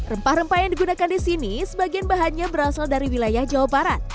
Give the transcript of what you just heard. rempah rempah yang digunakan di sini sebagian bahannya berasal dari wilayah jawa barat